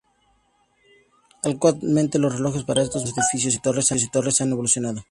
Actualmente los relojes para estos monumentos, edificios y torres han evolucionado.